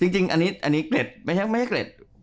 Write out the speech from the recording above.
จริงอันนี้เกร็ดไม่ใช่เกร็ด